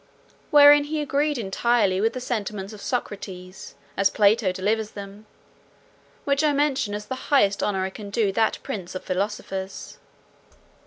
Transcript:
Wherein he agreed entirely with the sentiments of Socrates, as Plato delivers them; which I mention as the highest honour I can do that prince of philosophers.